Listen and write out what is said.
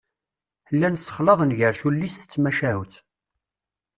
Llan ssexlaḍen gar tullist d tmacahut.